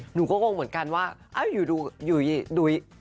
หนูก็งงเหมือนกันว่าอยู่